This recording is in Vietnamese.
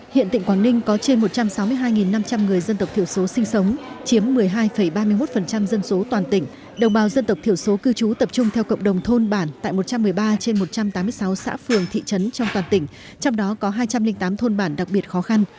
hiện tỉnh quảng ninh có trên một trăm sáu mươi hai năm trăm linh người dân tộc thiểu số sinh sống chiếm một mươi hai ba mươi một dân số toàn tỉnh đồng bào dân tộc thiểu số cư trú tập trung theo cộng đồng thôn bản tại một trăm một mươi ba trên một trăm tám mươi sáu xã phường thị trấn trong toàn tỉnh trong đó có hai trăm linh tám thôn bản đặc biệt khó khăn